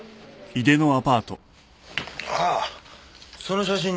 ああその写真ね。